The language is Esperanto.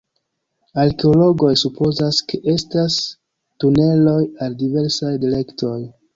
Arkeologoj supozas, ke estas tuneloj al diversaj direktoj.